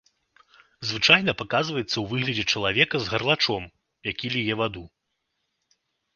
Звычайна паказваецца ў выглядзе чалавека з гарлачом, які ліе ваду.